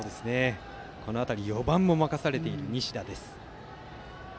この辺り、４番を任される西田です。